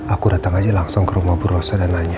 aku datang aja langsung ke rumah purwosa dan nanya